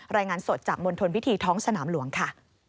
รายงานสดจากมณฑลพิธีท้องสนามหลวงค่ะ